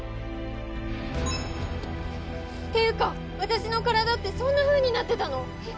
っていうかわたしの体ってそんなふうになってたの！？